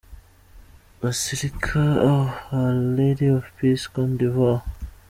Basilica our Lady of Peace, Cote d’ ivoire.